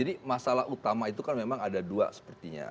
jadi masalah utama itu kan memang ada dua sepertinya